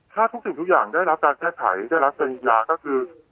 ถ้าทุกสิ่งทุกอย่างได้รับการแก้ไขได้รับปริญญาก็คือ